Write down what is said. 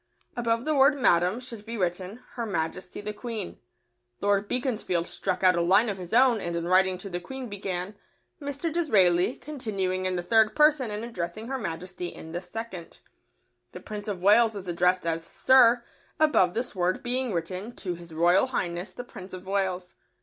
Above the word "Madam" should be written "Her Majesty the Queen." Lord Beaconsfield struck out a line of his own and in writing to the Queen began, "Mr. Disraeli," continuing in the third person and addressing Her Majesty in the second. [Sidenote: To the Prince and Princess of Wales.] The Prince of Wales is addressed as "Sir," above this word being written "To His Royal Highness the Prince of Wales."